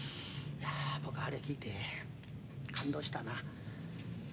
僕はあれ聞いて感動したな。